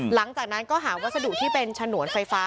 หลังจากนั้นก็หาวัสดุที่เป็นฉนวนไฟฟ้า